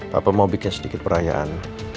bapak mau bikin sedikit perayaan